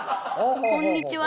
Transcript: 「こんにちは」